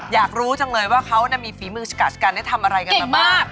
อยากรู้จังเลยว่าเขามีฝีมือสกัดกันได้ทำอะไรกันมามาก